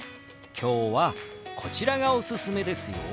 今日はこちらがおすすめですよ。